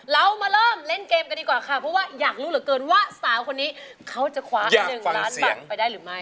เรามาเริ่มเล่นเกมกันดีกว่าค่ะเพราะว่าอยากรู้เหลือเกินว่าสาวคนนี้เขาจะคว้า๑ล้านบาทไปได้หรือไม่